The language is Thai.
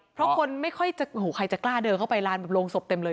เพราะคนไม่ค่อยจะใครจะกล้าเดินเข้าไปลานแบบโรงศพเต็มเลย